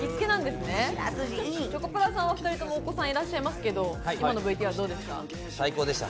チョコプラさんは２人ともお子さんいらっしゃいますがどうでしたか？